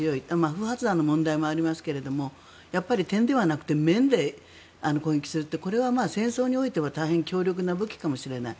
不発弾の問題もありますが点ではなくて面で攻撃するってこれは戦争においては大変強力な武器かもしれない。